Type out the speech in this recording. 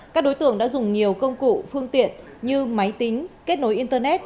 các đối tượng đã dùng nhiều công cụ phương tiện như máy tính kết nối internet